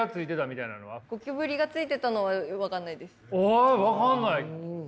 あ分かんない？